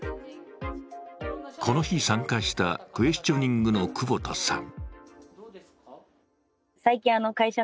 この日参加したクエスチョニングの久保田さん。